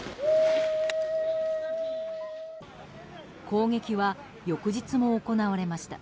攻撃は翌日も行われました。